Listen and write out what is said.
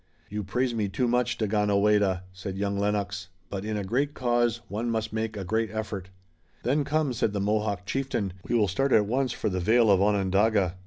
"You praise me too much, Daganoweda," said young Lennox, "but in a great cause one must make a great effort." "Then come," said the Mohawk chieftain. "We will start at once for the vale of Onondaga."